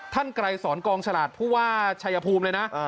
ท่านไกรสอนกองฉลาดพู่ว่าชัยภูมิเลยนะอ่า